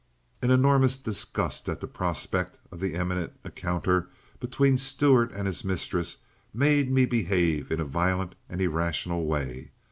An enormous disgust at the prospect of the imminent encounter between Stuart and his mistress made me behave in a violent and irrational way.